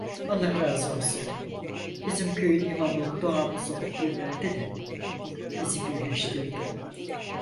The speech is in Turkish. Allah razı olsun, bizim köyün imamı duamızı okuyuverdi de bizi birleştirdi.